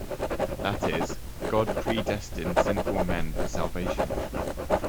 That is, God predestined sinful men for salvation.